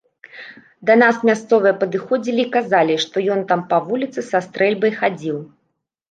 Да нас мясцовыя падыходзілі і казалі, што ён там па вуліцы са стрэльбай хадзіў.